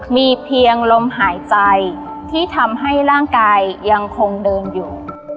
มีเพียงลมหายใจที่ทำให้ร่างกายยังคงเดินอยู่